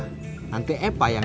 omong dua ayo berusaha buat kerjasama